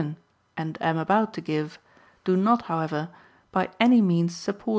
(,a INTRODUCTION and am about to give, do not, however, by any means support M.